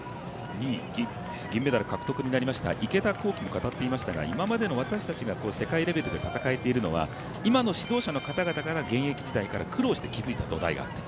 ２位、銀メダル獲得となりました池田向希も語っていましたが、今までの私たちが世界レベルで戦えているのが今の指導者の方たちが現役時代が苦労して築いた土台があった。